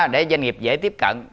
để doanh nghiệp dễ tiếp cận